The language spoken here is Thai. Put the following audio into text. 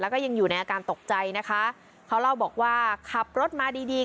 แล้วก็ยังอยู่ในอาการตกใจนะคะเขาเล่าบอกว่าขับรถมาดีดี